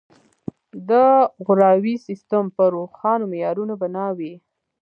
د غوراوي سیستم په روښانو معیارونو بنا وي.